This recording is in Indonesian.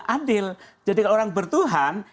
adil jadi orang bertuhan